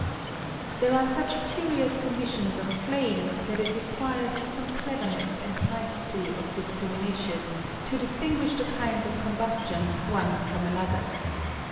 There are such curious conditions of flame that it requires some cleverness and nicety of discrimination to distinguish the kinds of coin tustion one from another.